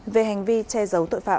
về hành vi che giấu tội phạm